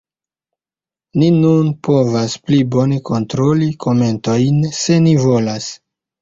Ni nun povos pli bone kontroli komentojn, se ni volas.